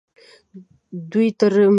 دوی تر مځکې لاندې ښخ کیدای سي.